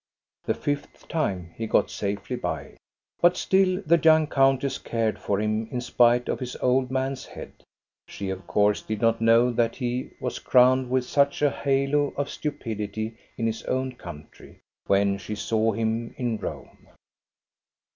*' The fifth time he got safely by. But still the young countess cared for him in spite of his old man's head. She of course did not know that he was crowned with such a halo of stupidity in his own country, when she saw him in Rome.